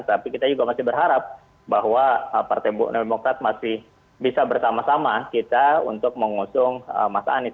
tapi kita juga masih berharap bahwa partai demokrat masih bisa bersama sama kita untuk mengusung mas anies